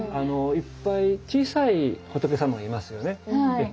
いっぱい小さい仏様がいますよね。